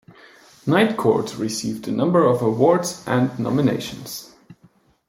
"Night Court" received a number of awards and nominations.